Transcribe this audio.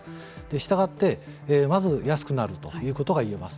したがって、まず安くなるということが言えます。